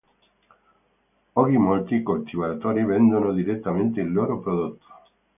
Oggi molti coltivatori vendono direttamente il loro prodotto.